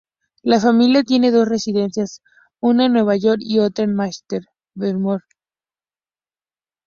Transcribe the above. La familia tiene dos residencias, una en Nueva York y otra en Manchester, Vermont.